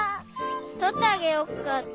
とってあげよっか？